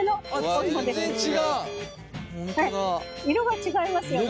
色が違いますよね。